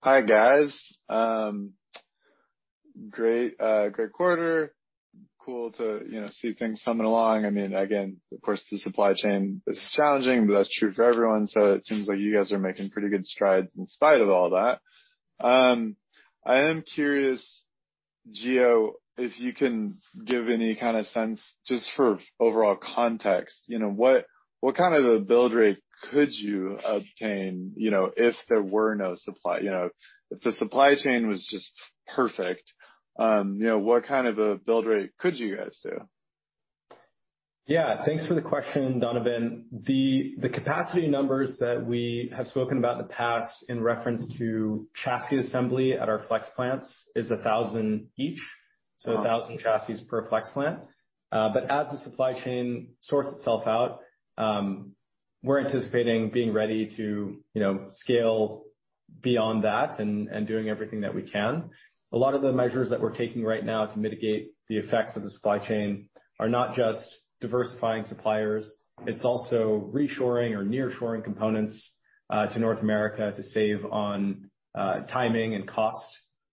Hi, guys. Great quarter. Cool to, you know, see things coming along. I mean, again, of course, the supply chain is challenging, but that's true for everyone, so it seems like you guys are making pretty good strides in spite of all that. I am curious, Gio, if you can give any kind of sense just for overall context, you know, what kind of a build rate could you obtain, you know, if there were no supply. You know, if the supply chain was just perfect, you know, what kind of a build rate could you guys do? Yeah. Thanks for the question, Donovan. The capacity numbers that we have spoken about in the past in reference to chassis assembly at our flex plants is 1,000 each, so 1,000 chassis per flex plant. As the supply chain sorts itself out, we're anticipating being ready to, you know, scale beyond that and doing everything that we can. A lot of the measures that we're taking right now to mitigate the effects of the supply chain are not just diversifying suppliers, it's also reshoring or nearshoring components to North America to save on timing and cost.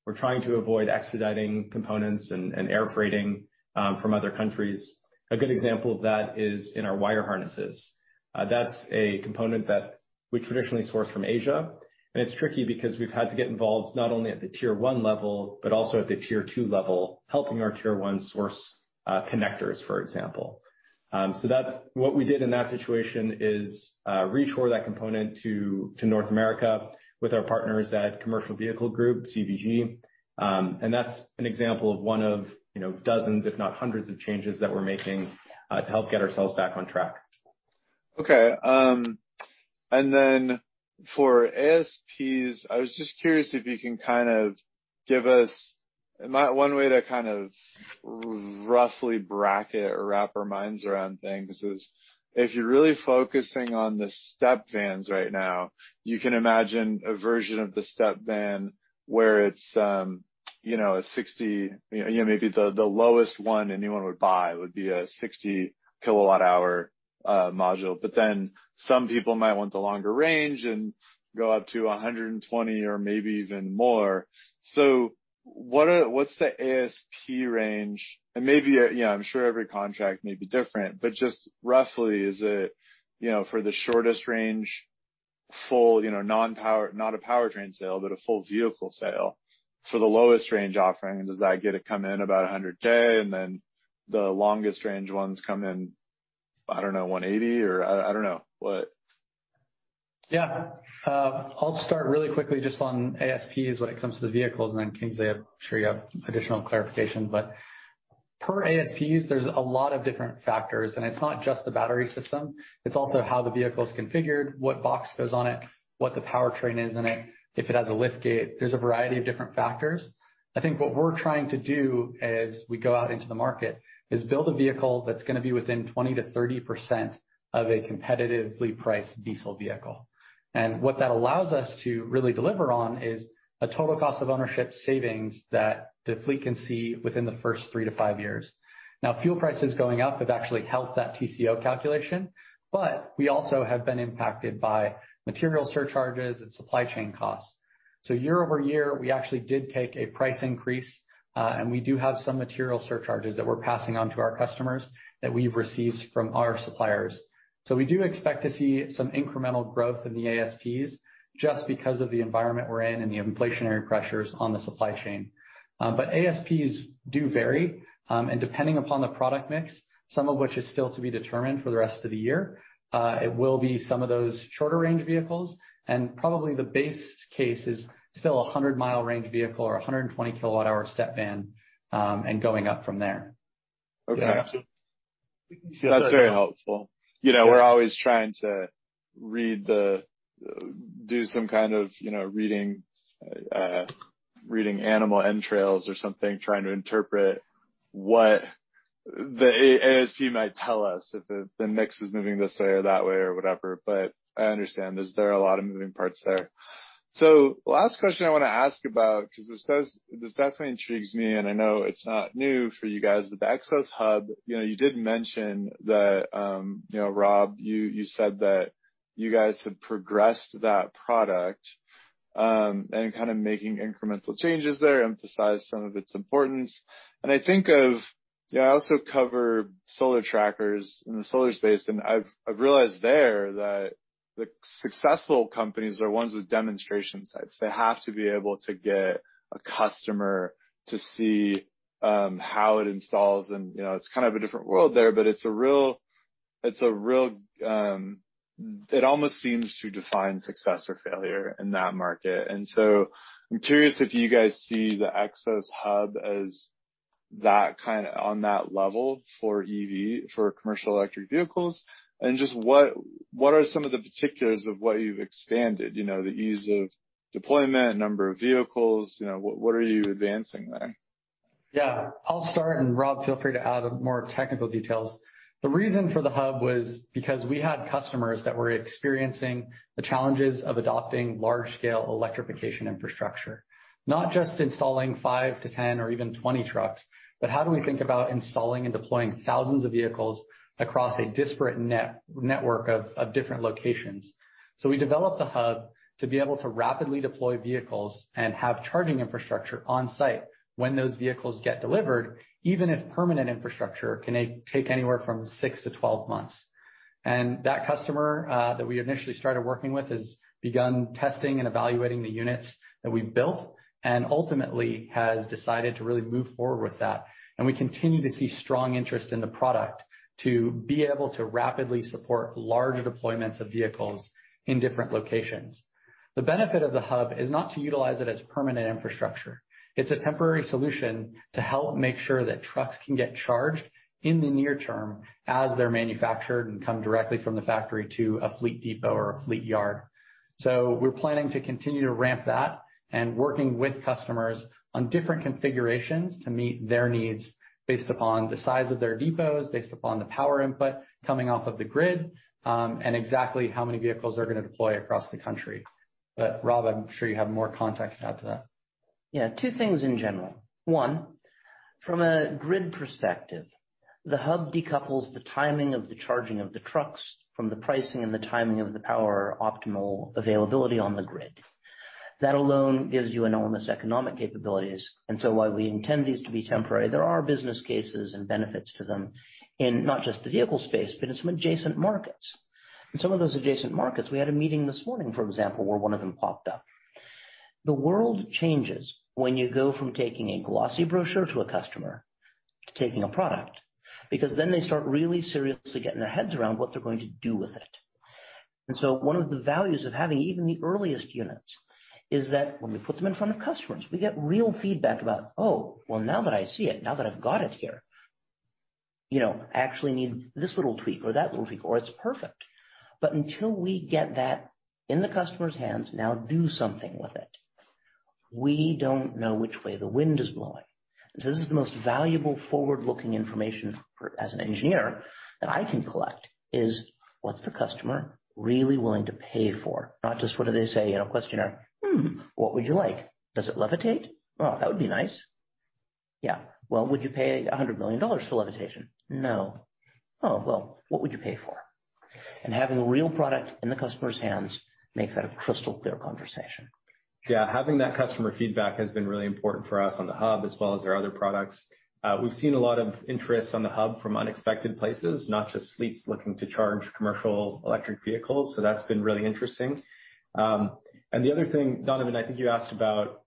We're trying to avoid expediting components and air freighting from other countries. A good example of that is in our wire harnesses. That's a component that we traditionally source from Asia, and it's tricky because we've had to get involved not only at the tier one level, but also at the tier two level, helping our tier one source connectors, for example. What we did in that situation is reshore that component to North America with our partners at Commercial Vehicle Group, CVG. That's an example of one of, you know, dozens, if not hundreds of changes that we're making to help get ourselves back on track. Okay, for ASPs, I was just curious if you can kind of give us one way to kind of roughly bracket or wrap our minds around things is if you're really focusing on the step vans right now, you can imagine a version of the step van where it's, you know, a 60, you know, maybe the lowest one anyone would buy would be a 60 kWh module. Some people might want the longer range and go up to a 120 or maybe even more. What's the ASP range? Maybe, you know, I'm sure every contract may be different, but just roughly is it, you know, for the shortest range, full, you know, not a powertrain sale, but a full vehicle sale? For the lowest range offering, does that get to come in about $100K, and then the longest range ones come in, I don't know, $180 or I don't know. What? Yeah. I'll start really quickly just on ASPs when it comes to the vehicles, and then Kingsley, I'm sure you have additional clarification. Per ASPs, there's a lot of different factors. It's not just the battery system, it's also how the vehicle is configured, what box goes on it, what the powertrain is in it, if it has a lift gate. There's a variety of different factors. I think what we're trying to do as we go out into the market is build a vehicle that's gonna be within 20%-30% of a competitively priced diesel vehicle. What that allows us to really deliver on is a total cost of ownership savings that the fleet can see within the first three to five years. Now, fuel prices going up have actually helped that TCO calculation, but we also have been impacted by material surcharges and supply chain costs. Year over year, we actually did take a price increase, and we do have some material surcharges that we're passing on to our customers that we've received from our suppliers. We do expect to see some incremental growth in the ASPs just because of the environment we're in and the inflationary pressures on the supply chain. ASPs do vary, and depending upon the product mix, some of which is still to be determined for the rest of the year, it will be some of those shorter range vehicles, and probably the base case is still a 100 mi range vehicle or a 120 kWh step van, and going up from there. Okay. That's very helpful. You know, we're always trying to read animal entrails or something, trying to interpret what the ASP might tell us if the mix is moving this way or that way or whatever. I understand there are a lot of moving parts there. Last question I wanna ask about, because this definitely intrigues me, and I know it's not new for you guys, but the Xos Hub, you know, you did mention that, you know, Rob, you said that. You guys have progressed that product, and kind of making incremental changes there, emphasize some of its importance. I think of, you know, I also cover solar trackers in the solar space, and I've realized there that the successful companies are ones with demonstration sites. They have to be able to get a customer to see how it installs and, you know, it's kind of a different world there, but it's a real, it almost seems to define success or failure in that market. I'm curious if you guys see the Xos Hub as that kind on that level for EV, for commercial electric vehicles. Just what are some of the particulars of what you've expanded? You know, the ease of deployment, number of vehicles, you know, what are you advancing there? Yeah. I'll start, and Rob, feel free to add more technical details. The reason for the Hub was because we had customers that were experiencing the challenges of adopting large-scale electrification infrastructure. Not just installing five to 10 or even 20 trucks, but how do we think about installing and deploying thousands of vehicles across a disparate network of different locations? We developed the Hub to be able to rapidly deploy vehicles and have charging infrastructure on-site when those vehicles get delivered, even if permanent infrastructure can take anywhere from six to 12 months. That customer we initially started working with has begun testing and evaluating the units that we built and ultimately has decided to really move forward with that. We continue to see strong interest in the product to be able to rapidly support large deployments of vehicles in different locations. The benefit of the hub is not to utilize it as permanent infrastructure. It's a temporary solution to help make sure that trucks can get charged in the near term as they're manufactured and come directly from the factory to a fleet depot or a fleet yard. We're planning to continue to ramp that and working with customers on different configurations to meet their needs based upon the size of their depots, based upon the power input coming off of the grid, and exactly how many vehicles they're gonna deploy across the country. Rob, I'm sure you have more context to add to that. Yeah. Two things in general. One, from a grid perspective, the hub decouples the timing of the charging of the trucks from the pricing and the timing of the power optimal availability on the grid. That alone gives you enormous economic capabilities. While we intend these to be temporary, there are business cases and benefits to them in not just the vehicle space, but in some adjacent markets. In some of those adjacent markets, we had a meeting this morning, for example, where one of them popped up. The world changes when you go from taking a glossy brochure to a customer to taking a product, because then they start really seriously getting their heads around what they're going to do with it. One of the values of having even the earliest units is that when we put them in front of customers, we get real feedback about, oh, well, now that I see it, now that I've got it here, you know, I actually need this little tweak or that little tweak, or it's perfect. Until we get that in the customer's hands, now do something with it, we don't know which way the wind is blowing. This is the most valuable forward-looking information for, as an engineer, that I can collect, is what's the customer really willing to pay for? Not just what do they say in a questionnaire. Hmm, what would you like? Does it levitate? Well, that would be nice. Yeah. Well, would you pay $100 million for levitation? No. Oh, well, what would you pay for? Having a real product in the customer's hands makes that a crystal clear conversation. Yeah. Having that customer feedback has been really important for us on the Hub as well as our other products. We've seen a lot of interest on the Hub from unexpected places, not just fleets looking to charge commercial electric vehicles. That's been really interesting. The other thing, Donovan, I think you asked about,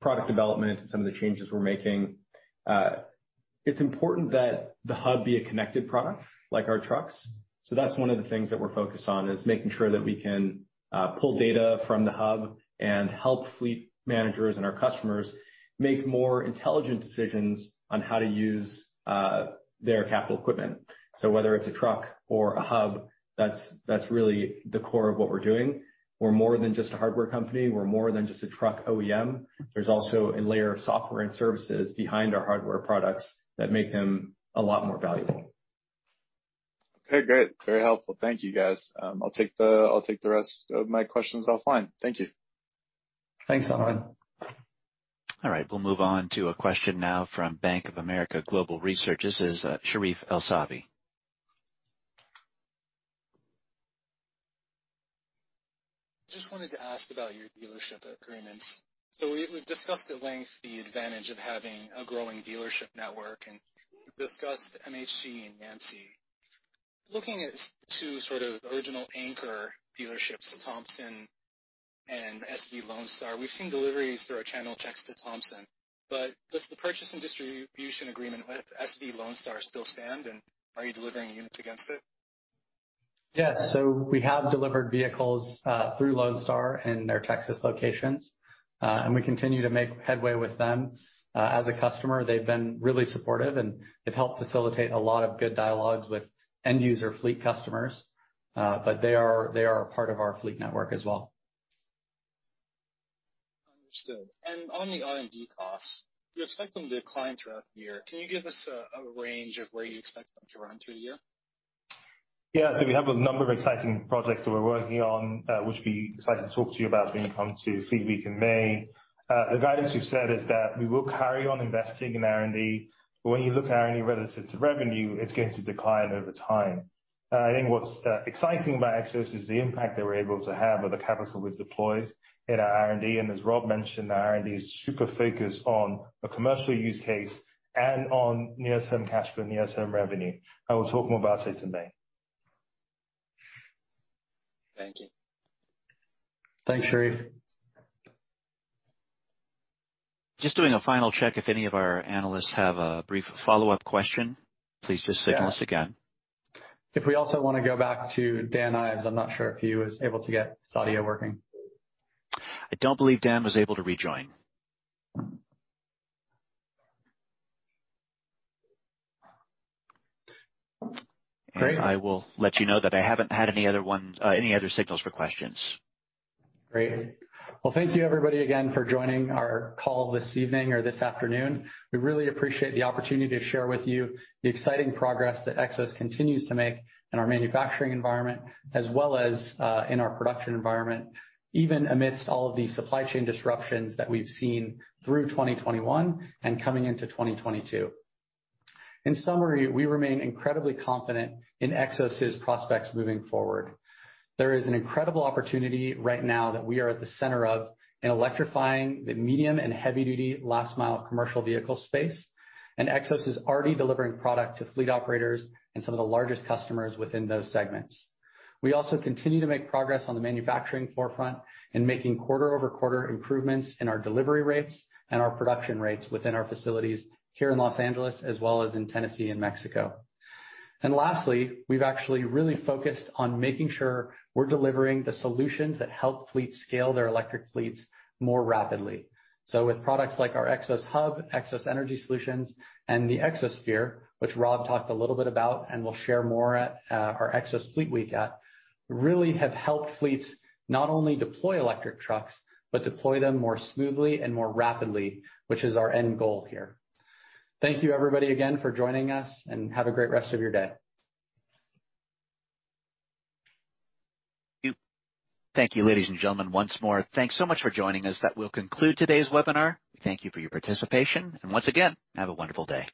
product development and some of the changes we're making. It's important that the Hub be a connected product like our trucks. That's one of the things that we're focused on is making sure that we can pull data from the Hub and help fleet managers and our customers make more intelligent decisions on how to use their capital equipment. Whether it's a truck or a Hub, that's really the core of what we're doing. We're more than just a hardware company. We're more than just a truck OEM. There's also a layer of software and services behind our hardware products that make them a lot more valuable. Okay, great. Very helpful. Thank you, guys. I'll take the rest of my questions offline. Thank you. Thanks, Donovan. All right, we'll move on to a question now from Bank of America Global Research. This is Sherif El-Sabbahy. Just wanted to ask about your dealership agreements. We've discussed at length the advantage of having a growing dealership network, and we've discussed MHC and Yancey. Looking at two sort of original anchor dealerships, Thompson and SV Lonestar, we've seen deliveries through our channel checks to Thompson. Does the purchase and distribution agreement with SV Lonestar still stand, and are you delivering units against it? Yes. We have delivered vehicles through Lone Star in their Texas locations, and we continue to make headway with them. As a customer, they've been really supportive, and they've helped facilitate a lot of good dialogues with end user fleet customers. They are a part of our fleet network as well. Understood. On the R&D costs, you expect them to decline throughout the year. Can you give us a range of where you expect them to run through the year? Yeah. We have a number of exciting projects that we're working on, which we decided to talk to you about when you come to Fleet Week in May. The guidance we've said is that we will carry on investing in R&D. When you look at R&D relative to revenue, it's going to decline over time. I think what's exciting about Xos is the impact that we're able to have with the capital we've deployed in our R&D. As Rob mentioned, our R&D is super focused on a commercial use case and on near-term cash flow, near-term revenue. I will talk more about it in May. Thank you. Thanks, Sharif. Just doing a final check. If any of our analysts have a brief follow-up question, please just signal us again. If we also wanna go back to Dan Ives. I'm not sure if he was able to get his audio working. I don't believe Dan was able to rejoin. Great. I will let you know that I haven't had any other ones, any other signals for questions. Great. Well, thank you everybody again for joining our call this evening or this afternoon. We really appreciate the opportunity to share with you the exciting progress that Xos continues to make in our manufacturing environment as well as in our production environment, even amidst all of the supply chain disruptions that we've seen through 2021 and coming into 2022. In summary, we remain incredibly confident in Xos' prospects moving forward. There is an incredible opportunity right now that we are at the center of in electrifying the medium and heavy duty last mile commercial vehicle space, and Xos is already delivering product to fleet operators and some of the largest customers within those segments. We also continue to make progress on the manufacturing forefront in making quarter-over-quarter improvements in our delivery rates and our production rates within our facilities here in Los Angeles as well as in Tennessee and Mexico. Lastly, we've actually really focused on making sure we're delivering the solutions that help fleets scale their electric fleets more rapidly. With products like our Xos Hub, Xos Energy Solutions, and the Xosphere, which Rob talked a little bit about and we'll share more at our Xos Fleet Week, really have helped fleets not only deploy electric trucks, but deploy them more smoothly and more rapidly, which is our end goal here. Thank you, everybody, again for joining us and have a great rest of your day. Thank you, ladies and gentlemen, once more. Thanks so much for joining us. That will conclude today's webinar. Thank you for your participation and once again, have a wonderful day.